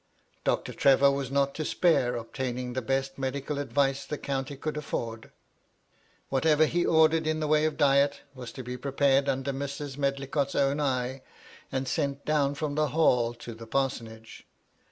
Doctor Trevor was not to spare obtaining the best medical advice the county could aflFord ; whatever he ordered in the way of diet, was to be prepared under Mrs. Medlicott's own eye, and sent down from the Hall to the Parsonage.